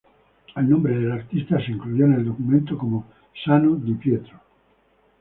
El nombre del artista se incluyó en el documento como Sano di Pietro.